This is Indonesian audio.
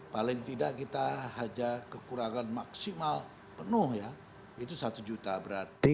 paling tidak kita hanya kekurangan maksimal penuh ya itu satu juta berarti